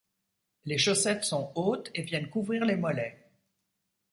Les chaussettes sont hautes et viennent couvrir les mollets.